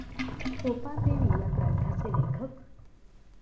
सोपानदेवी या ग्रंथांचे लेखक.